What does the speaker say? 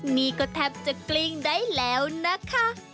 นี่ก็แทบจะกลิ้งได้แล้วนะคะ